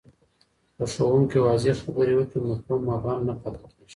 که ښوونکی واضح خبري وکړي، مفهوم مبهم نه پاتې کېږي.